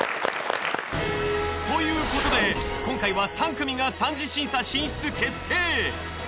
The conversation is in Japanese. ということで今回は３組が三次審査進出決定。